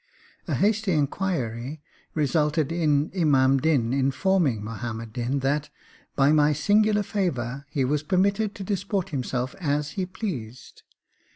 A hasty inquiry resulted in Imam Din informing Muhammad Din that, by my singular favour, he was permitted to disport himself as he pleased.